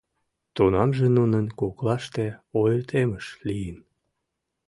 Тунамже нунын коклаште ойыртемыш лийын...